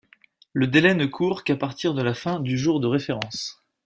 Le délai ne court qu'à partir de la fin du jour de référence.